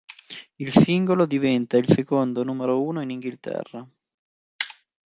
Il singolo diventa il secondo numero uno in Inghilterra.